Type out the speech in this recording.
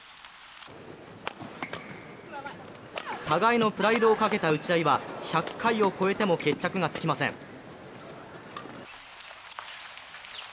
互いのプライドをかけた打ち合いは１００回を超えても決着がつきません